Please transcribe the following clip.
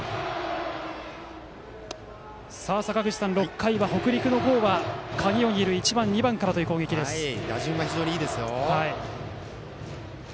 さあ、６回は北陸の方は鍵を握る１番、２番からという打順は非常にいいですよ。